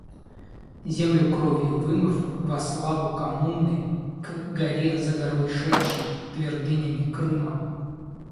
Землю кровью вымыв, во славу коммуны, к горе за горой шедший твердынями Крыма.